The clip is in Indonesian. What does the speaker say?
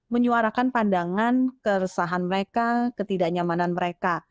menyuarakan pandangan keresahan mereka ketidaknyamanan mereka